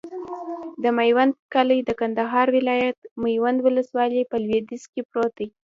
د میوند کلی د کندهار ولایت، میوند ولسوالي په لویدیځ کې پروت دی.